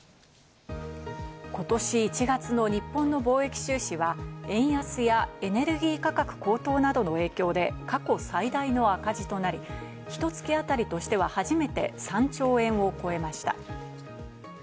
今年１月の日本の貿易収支は円安やエネルギー価格高騰などの影響で過去最大の赤字となり、ひと月あたりとしては初めて３兆円を超えました。